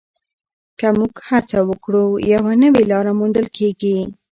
که موږ هڅه وکړو، یوه نوې لاره موندل کېږي.